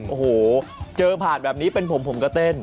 โอ้โหเจอผ่านแบบนี้เป็นผมผมก็เต้น